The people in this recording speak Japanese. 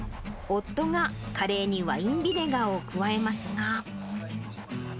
夫がカレーにワインビネガーを加えますが。